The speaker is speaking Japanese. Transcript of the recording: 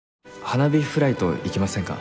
花火フライト行きませんか？